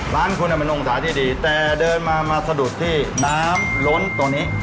ร้านคุณเป็นองศาที่ดีแต่เดินมามาสะดุดที่น้ำล้นตัวนี้